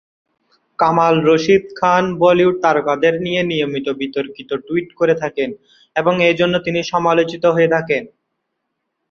কামাল রশিদ খান বলিউড তারকাদের নিয়ে নিয়মিতভাবে বিতর্কিত টুইট করে থাকেন এবং এজন্য তিনি সমালোচিত হয়ে থাকেন।